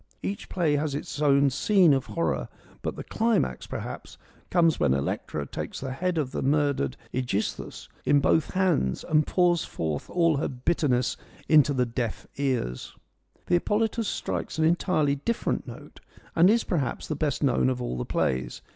Each play has its own scene of horror, but the climax, perhaps, comes when no FEMINISM IN GREEK LITERATURE Electra takes the head of the murdered ^Egisthus in both hands and pours forth all her bitterness into the deaf ears. The Hippolytus strikes an entirely different note, and is, perhaps, the best known of all the plays.